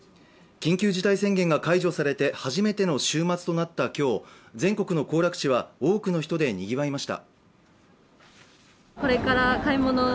緊急事態宣言が解除されて初めての週末となった今日全国の行楽地は多くの人でにぎわいました。